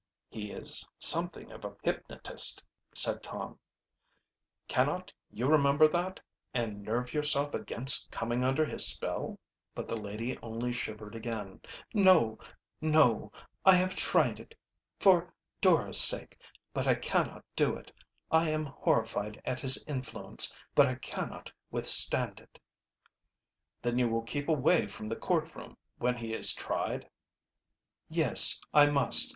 "He is something of a hypnotist," said Tom. "Cannot you remember that, and nerve yourself against coming under his spell?" But the lady only shivered again. "No! no! I have tried it for Dora's sake but I cannot do it! I am horrified at his influence, but I cannot withstand it." "Then you will keep away from the court room when he is tried?" "Yes, I must.